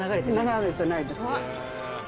流れてないです。